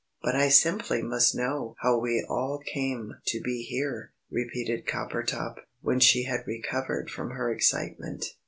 "But I simply must know how we all came to be here," repeated Coppertop, when she had recovered from her excitement.